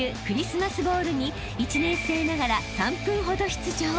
クリスマスボウルに１年生ながら３分ほど出場］